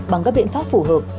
bằng các biện pháp phù hợp